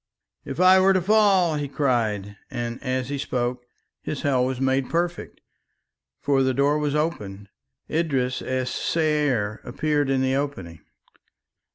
"If I were to fall!" he cried, and as he spoke his hell was made perfect, for the door was opened. Idris es Saier appeared in the opening.